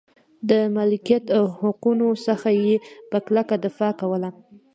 د مالکیت حقونو څخه یې په کلکه دفاع کوله.